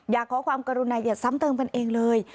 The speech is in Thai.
อยากขอความกรุณาอย่าซ้ำเติมกันเองเลย